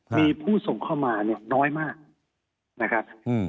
มีผู้ส่งเข้ามาเนี่ยน้อยมากนะครับ